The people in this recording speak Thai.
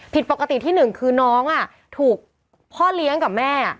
ผิดปกติที่หนึ่งคือน้องถูกพ่อเลี้ยงกับแม่